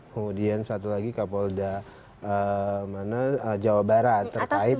kemudian satu lagi kapolda jawa barat terkait